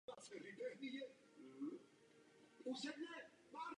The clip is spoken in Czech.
Vodní dílo sestává ze dvou sousedících nádrží.